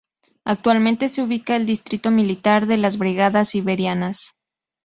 Actualmente se ubica el distrito militar de las brigadas siberianas.